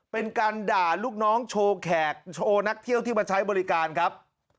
เป็นการด่าลูกน้องโชว์แขกโชว์นักเที่ยวที่มาใช้บริการครับ